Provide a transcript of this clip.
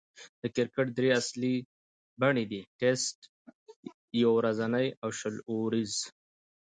د کرکټ درې اصلي بڼې دي: ټېسټ، يو ورځنۍ، او شل اووريز.